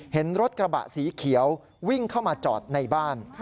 เห็นรถกระบะสีเขียววิ่งเข้ามาจอดในบ้าน